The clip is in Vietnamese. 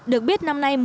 được biết năm nay